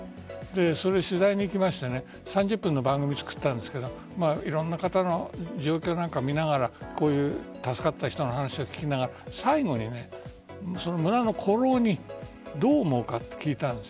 それを取材に行きまして３０分の番組を作ったんですがいろんな方の状況なんかを見ながら助かった人の話を聞きながら最後にその村の古老にどう思うかと聞いたんです。